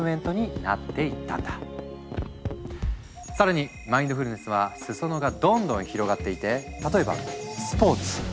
更にマインドフルネスは裾野がどんどん広がっていて例えばスポーツ！